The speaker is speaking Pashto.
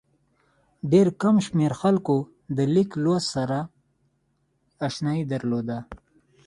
ډېر کم شمېر خلکو له لیک لوست سره اشنايي درلوده.